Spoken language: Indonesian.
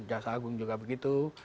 jaksa agung juga begitu